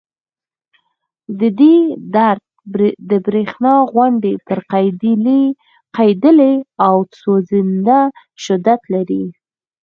د دې درد د برېښنا غوندې پړقېدلی او سوځنده شدت لري